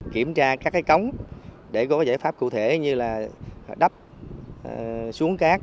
kiểm tra các cái cống để có giải pháp cụ thể như là đắp xuống cát